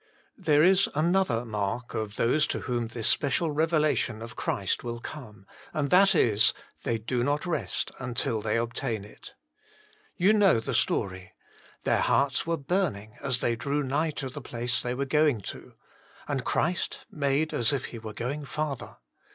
There is another mark of those to whom this special revelation of Christ will come, and that is, Zbc^ bo not te0t until tbCQ, obtain it* You know the story. Their hearts were burning as they drew nigh to the place they were going to, and Christ made as if He were going farther.